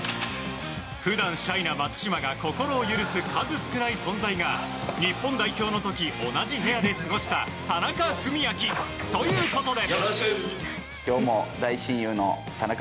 普段シャイな松島が心を許す数少ない存在が日本代表の時同じ部屋で過ごした田中史朗ということで。